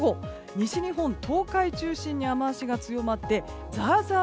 西日本、東海中心に雨脚が強まってザーザー